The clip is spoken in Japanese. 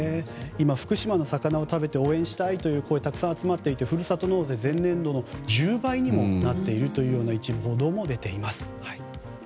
今、福島の魚を食べて応援したいという声が増えていてふるさと納税前年度の１０倍にもなっているという報道も一部出ています。